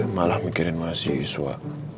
malah mikirin mahasiswa